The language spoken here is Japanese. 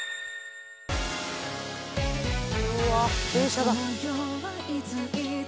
うわ電車だ。